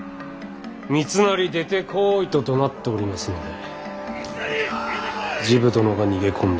三成出てこいとどなっておりますので治部殿が逃げ込んでいるものと。